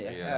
di bali ya